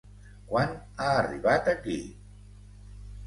Quan ha arribat aquí?